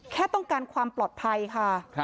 แค่ต้องการความปลอดภัยค่ะ